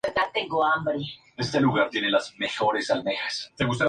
Fue dirigido por Enrique Arroyo.